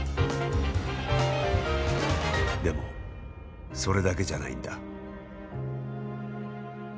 でもそれだけじゃないんだ。